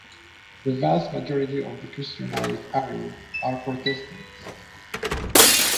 The vast majority of the Christianized Ari are Protestants.